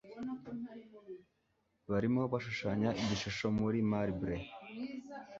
Barimo bashushanya igishusho muri marble.